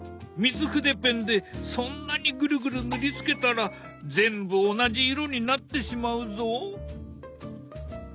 水筆ペンでそんなにグルグル塗りつけたら全部同じ色になってしまうぞ。